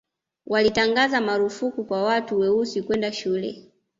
walitangaza marufuku kwa watu weusi kwenda shule